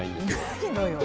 ないのよ。